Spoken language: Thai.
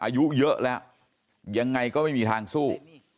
อายุเยอะแล้วยังไงก็ไม่มีทางสู้